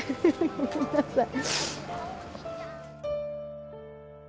ごめんなさい。